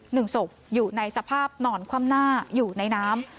หนึ่งศพอยู่ในสภาพนอนคว่ำหน้าอยู่ในน้ำ